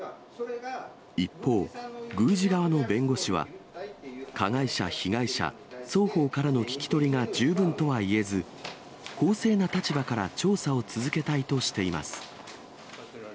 一方、宮司側の弁護士は、加害者、被害者双方からの聞き取りが十分とはいえず、公正な立場から調査を続けたいとしています。